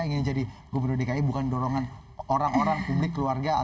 ingin jadi gubernur dki bukan dorongan orang orang publik keluarga